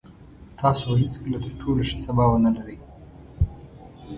تاسو به هېڅکله تر ټولو ښه سبا ونلرئ.